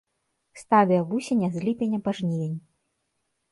Стадыя вусеня з ліпеня па жнівень.